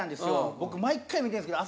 僕毎回見てるんですけど。